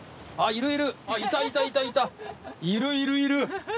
いるいるいる！